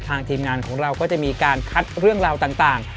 ทีมงานของเราก็จะมีการคัดเรื่องราวต่าง